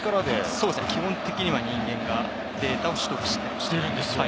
そうですね、基本的には人間がデータを取得しています。